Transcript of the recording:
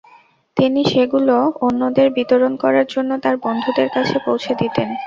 তিনি সেগুলো অন্যদের বিতরণ করার জন্য তার বন্ধুদের কাছে পৌঁছে দিতেন।